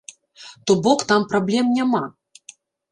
То бок там праблем няма.